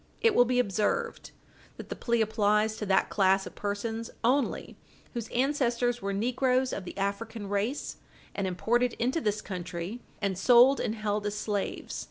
It will be observed that the plea applies to that class of persons only whose ancestors were negroes of the African race, and imported into this country and sold and held as slaves.